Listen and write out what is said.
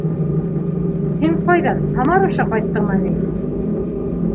Һин ҡайҙан, Һамар аша ҡайттыңмы ни?